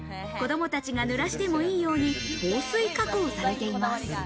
子供たちが濡らしてもいいように防水加工されています。